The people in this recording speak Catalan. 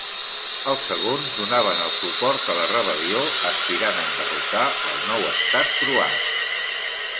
Els segons, donaven el suport a la rebel·lió aspirant enderrocar el nou estat croat.